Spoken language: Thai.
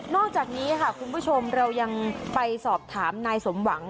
อกจากนี้ค่ะคุณผู้ชมเรายังไปสอบถามนายสมหวัง